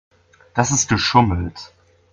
Das ist geschummelt.